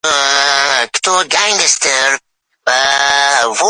Hay-hay-hay, sadag‘asi ketsang, muxbirning qo‘ylarining!!